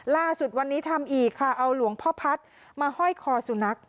ล่าสุดวันนี้ทำอีกค่ะเอาหลวงพ่อพัฒน์มาห้อยคอสุนัข